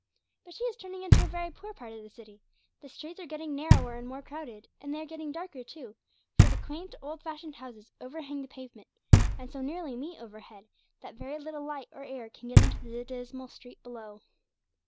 But she is turning into a very poor part of the city the streets are getting narrower and more crowded, and they are getting darker, too, for the quaint, old fashioned houses overhang the pavement, and so nearly meet overhead, that very little light or air can get into the dismal street below.